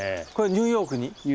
ニューヨークに。